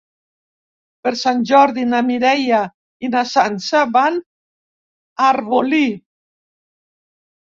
Per Sant Jordi na Mireia i na Sança van a Arbolí.